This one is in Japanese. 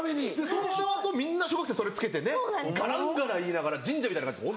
その後みんな小学生それつけてねガランガランいいながら神社みたいな感じです